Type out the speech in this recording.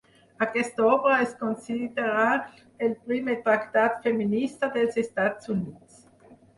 Aquesta obra es considera el primer tractat feminista dels Estats Units.